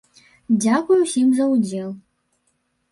Дзякуй усім за удзел!